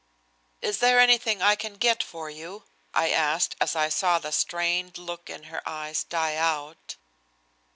"Is there anything I can get for you?" I asked as I saw the strained look in her eyes die out.